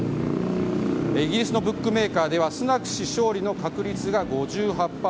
イギリスのブックメーカーではスナク氏勝利の確率が５８％。